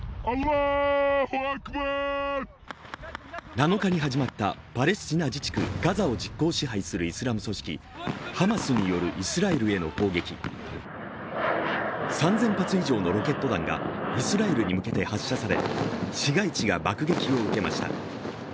７日に始まったパレスチナ自治区ガザを実効支配するイスラム組織ハマスによるイスラエルへの攻撃３０００発以上のロケット弾がイスラエルへ向けて発射され市街地が爆撃を受けました。